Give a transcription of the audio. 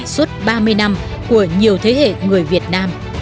suốt ba mươi năm của nhiều thế hệ người việt nam